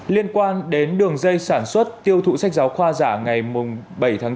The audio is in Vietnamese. liên quan đến đường dây sản xuất tiêu thụ sách giáo khoa giả ngày bảy tháng bốn